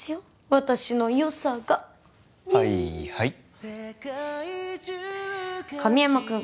私のよさがねはいはい神山くん